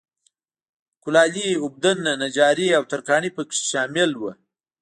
کولالي، اوبدنه، نجاري او ترکاڼي په کې شامل وو